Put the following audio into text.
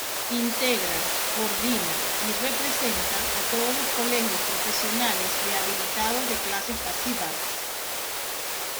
Integra, coordina y representa a todos los Colegios Profesionales de Habilitados de Clases Pasivas.